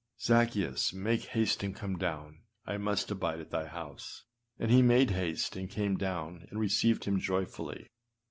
âZaccheus, make haste and come down, I must abide at thy house.â And he made haste, and came down, and received him joyfully.